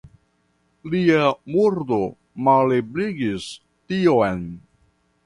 Lia murdo malebligis tion.